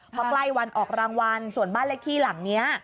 พอใกล้วันออกรางวัลส่วนบ้านเลขที่หลังนี้